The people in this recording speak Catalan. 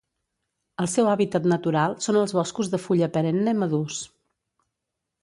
El seu hàbitat natural són els boscos de fulla perenne madurs.